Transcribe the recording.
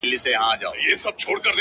o ه شعر كي دي زمـــا اوربــل دی،